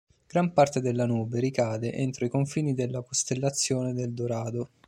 Gran parte della Nube ricade entro i confini della costellazione del Dorado.